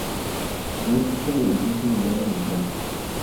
No existe una edición similar en Italia.